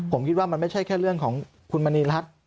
ผมคิดว่ามันไม่ใช่แค่เรื่องของคุณมณีรัฐ